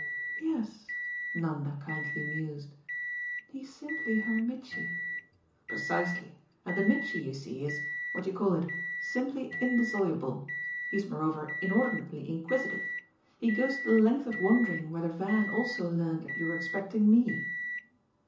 "Yes," Nanda kindly mused, "he's simply her Mitchy." "Precisely. And a Mitchy, you see, is what do you call it? simply indissoluble. He's moreover inordinately inquisitive. He goes to the length of wondering whether Van also learned that you were expecting ME."